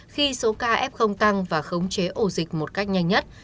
khi số ca f tăng và khống chế ổ dịch một cách nhanh nhất